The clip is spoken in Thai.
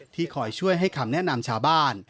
คอยช่วยให้คำแนะนำชาวบ้าน